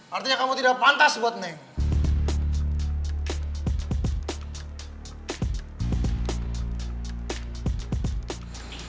artinya kamu tidak pantas buat nih